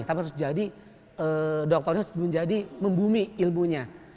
tapi harus jadi dokternya harus menjadi membumi ilmunya